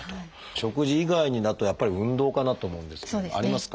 食事以外になるとやっぱり運動かなと思うんですけどありますか？